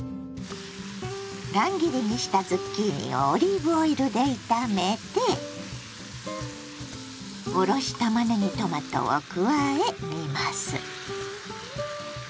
乱切りにしたズッキーニをオリーブオイルで炒めておろしたまねぎトマトを加え煮ます。